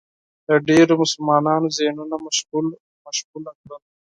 د ډېرو مسلمانانو ذهنونه مشغول کړل